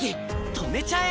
止めちゃえ！